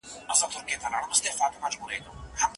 خاوري کېږې دا منمه خو د روح مطلب بل څه دی